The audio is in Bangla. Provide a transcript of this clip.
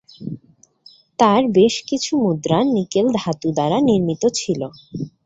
তার বেশ কিছু মুদ্রা নিকেল ধাতু দ্বারা নির্মিত ছিল।